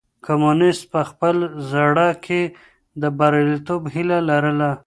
کمونيسټ په خپل زړه کې د برياليتوب هيله لرله.